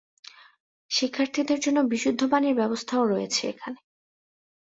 শিক্ষার্থীদের জন্য বিশুদ্ধ পানির ব্যবস্থা ও রয়েছে এখানে।